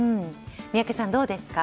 宮家さん、どうですか。